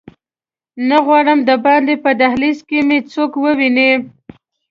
نه غواړم دباندې په دهلېز کې مې څوک وویني.